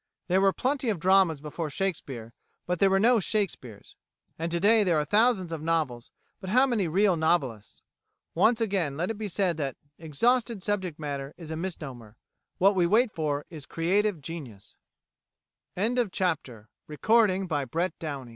There were plenty of dramas before Shakespeare but there were no Shakespeares; and to day there are thousands of novels but how many real novelists? Once again let it be said that "exhausted subject matter" is a misnomer; what we wait for is creative genius. FOOTNOTES: [146:A] "Autobiography," vol. i